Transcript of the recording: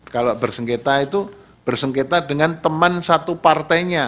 kalau bersengketa itu bersengketa dengan teman satu partainya